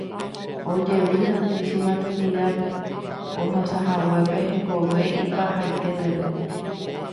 ojevy Santísima Trinidad-pe ohasahaguépe hekove ipahaite peve